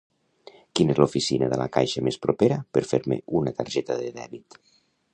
Quina és l'oficina de la caixa més propera per fer-me una targeta de dèbit?